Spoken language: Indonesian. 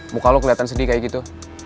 muka lo kelihatan sedih kayak gitu